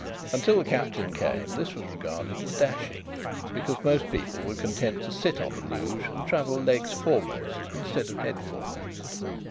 Until the Captain came, this was regarded as dashing, because most people were content to sit on the luge and travel legs foremost instead of head foremost.